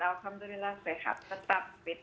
alhamdulillah sehat tetap fit